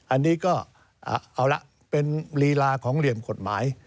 อันนี้ก็เอาละเป็นลีลาของเหลี่ยมกฎหมาย